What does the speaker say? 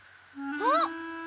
あっ！